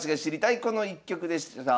この一局」でした。